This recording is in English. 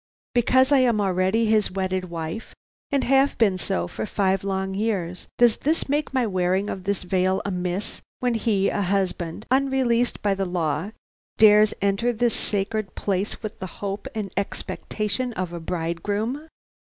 Because I am already his wedded wife, and have been so for five long years, does that make my wearing of this veil amiss when he a husband, unreleased by the law, dares enter this sacred place with the hope and expectation of a bridegroom?"